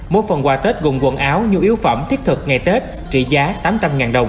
mỗi phần quà tết gồm quần áo nhu yếu phẩm thiết thực ngày tết trị giá tám trăm linh đồng